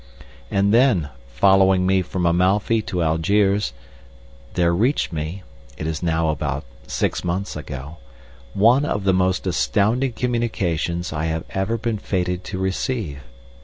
And then, following me from Amalfi to Algiers, there reached me (it is now about six months ago) one of the most astounding communications I have ever been fated to receive.